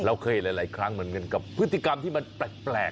เราเคยหลายครั้งเหมือนกันกับพฤติกรรมที่มันแปลก